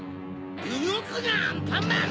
うごくなアンパンマン！